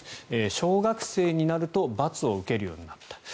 小学生になると罰を受けるようになった。